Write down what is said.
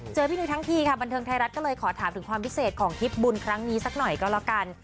พี่นุ้ยทั้งทีค่ะบันเทิงไทยรัฐก็เลยขอถามถึงความพิเศษของทิพย์บุญครั้งนี้สักหน่อยก็แล้วกัน